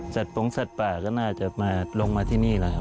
จากตรงสัตว์ป่าก็น่าจะลงมาที่นี่แล้วครับ